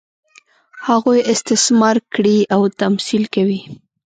هغوی استثمار کړي او تمثیل کوي.